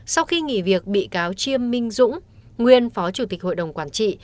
sau khi nghỉ việc bị cáo chiêm minh dũng nguyên phó chủ tịch hội đồng quản trị